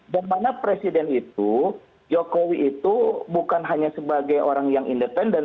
dimana presiden itu jokowi itu bukan hanya sebagai orang yang independen